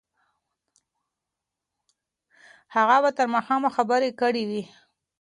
هغه به تر ماښامه خبرې کړې وي.